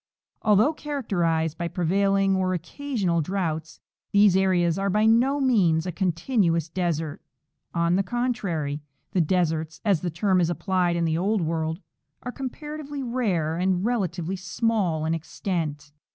Although characterized by pre vailing or occasional droughts, these areas are by no means a continuous desert. On the contrary, the deserts, as the term is applied in the old world, are comparativel_7 rare and relatively small in extent.